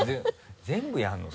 全部やるの？